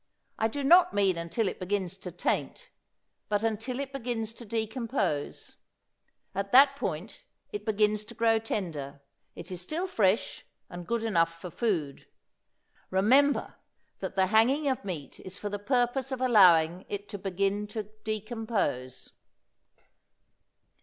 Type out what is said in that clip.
I do not mean until it begins to taint, but until it begins to decompose; at that point it begins to grow tender; it is still fresh and good enough for food. Remember that the hanging of meat is for the purpose of allowing it to begin to decompose.